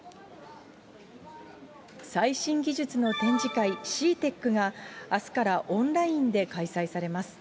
最新技術の展示会、ＣＥＡＴＥＣがあすからオンラインで開催されます。